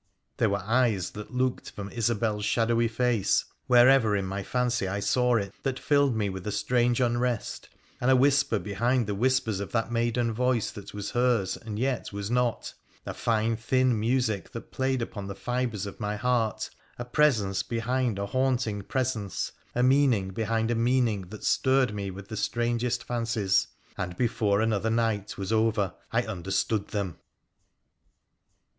There were eyes that looked from Isobel's shadowy face, wherever in my fancy I saw it, that filled me with a strange unrest, and a whisper behind the whispers of that maiden voice that was hers and yet was not — a fine thin music that played upon the fibres of my heart ; a presence behind a haunting presence ; a meaning behind a meaning that stirred me with the strangest fancies. And before another night was over I understood them